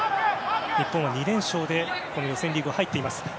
日本は２連勝で予選リーグ入っています。